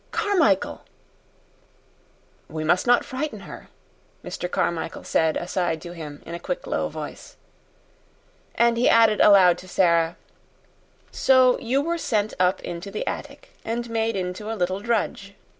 "Carmichael!" "We must not frighten her," Mr. Carmichael said aside to him in a quick, low voice. And he added aloud to Sara, "So you were sent up into the attic, and made into a little drudge.